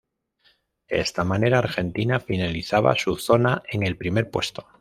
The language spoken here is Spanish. De esta manera, Argentina finalizaba su zona en el primer puesto.